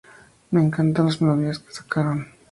Me encantan las melodías que sacaron.